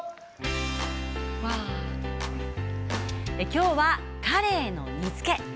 今日はカレイの煮つけ。